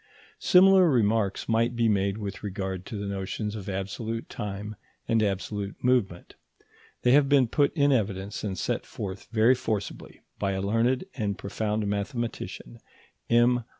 Similar remarks might be made with regard to the notions of absolute time and absolute movement. They have been put in evidence and set forth very forcibly by a learned and profound mathematician, M.